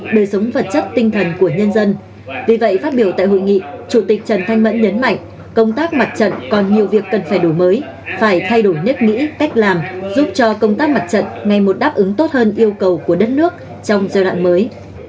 đời sống vật chất tinh thần của nhân dân vì vậy phát biểu tại hội nghị chủ tịch trần thanh mẫn nhấn mạnh công tác mặt trận còn nhiều việc cần phải đổi mới phải thay đổi nếp nghĩ cách làm giúp cho công tác mặt trận ngày một đáp ứng tốt hơn yêu cầu của đất nước trong giai đoạn mới